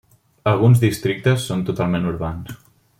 Alguns districtes són totalment urbans.